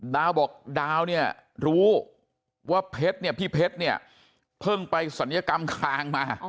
ดาวบอกดาวเนี่ยรู้ว่าเพชรเนี่ยพี่เพชรเนี่ยเพิ่งไปศัลยกรรมคางมา